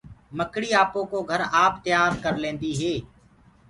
مڪڙيٚ آپو ڪو گھر آپ تيآر ڪرليندي هي۔